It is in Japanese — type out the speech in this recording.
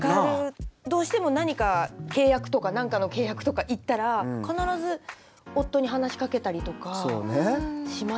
どうしても何か何かの契約とか行ったら必ず夫に話しかけたりとかしますね。